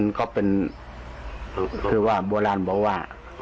ก็เป็นคือว่าโบราณบอกว่า